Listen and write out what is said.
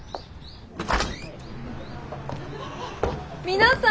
皆さん